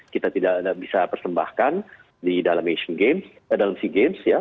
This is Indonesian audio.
kita tidak bisa persembahkan di dalam asian games dalam sea games ya